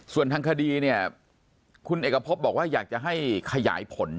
ส่วนทางคดีเนี่ยคุณเอกพบบอกว่าอยากจะให้ขยายผล